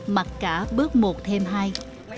mặc cả bớt một thêm hai